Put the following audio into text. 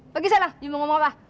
pergi sarah iu mau ngomong apa